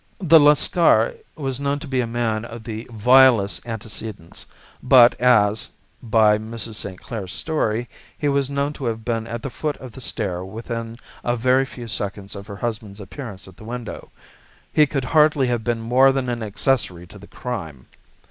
The Lascar was known to be a man of the vilest antecedents, but as, by Mrs. St. Clair's story, he was known to have been at the foot of the stair within a very few seconds of her husband's appearance at the window, he could hardly have been more than an accessory to the crime.